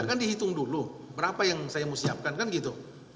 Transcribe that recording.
kan dihitung dulu berapa yang saya mau siapkan kan gitu